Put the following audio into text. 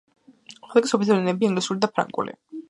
ლიგის ოფიციალური ენებია: ინგლისური და ფრანგული.